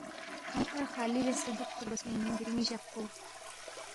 کھیان٘ی کھر خالی بیاسے دُوکپا رگوسپی اِن دِرِنگ جق پو